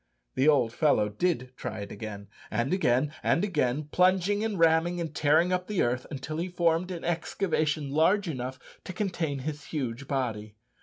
The old fellow did try it again, and again, and again, plunging, and ramming, and tearing up the earth, until he formed an excavation large enough to contain his huge body.